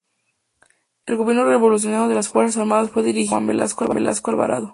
El gobierno revolucionario de las fuerzas armadas fue dirigido por Juan Velasco Alvarado.